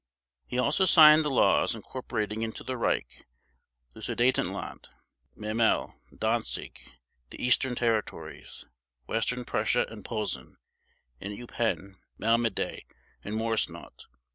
He also signed the laws incorporating into the Reich the Sudetenland, Memel, Danzig, the Eastern territories (West Prussia and Posen), and Eupen, Malmedy, and Moresnot.